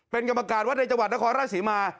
เป็นกรรมการวัดในจังหวัดนครราชศรีมา